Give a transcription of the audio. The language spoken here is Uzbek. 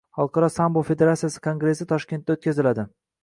Xalqaro sambo federatsiyasi kongressi Toshkentda o‘tkazilading